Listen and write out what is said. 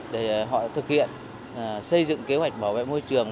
để họ thực hiện xây dựng kế hoạch bảo vệ môi trường